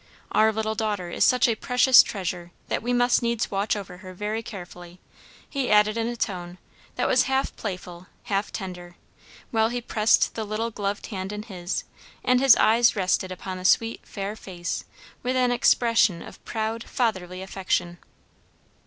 Our little daughter is such a precious treasure that we must needs watch over her very carefully," he added in a tone that was half playful, half tender, while he pressed the little gloved hand in his, and his eyes rested upon the sweet fair face with an expression of proud fatherly affection.